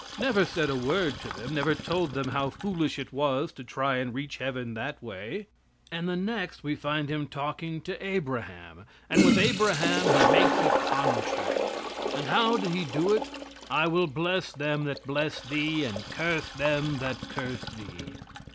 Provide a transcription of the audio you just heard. Never said a word to them; never told them how foolish it was to try and reach heaven that way. And the next we find Him talking to Abraham, and with Abraham He makes a contract. And how did He do it? "I will bless them that bless thee, and curse them that curse thee."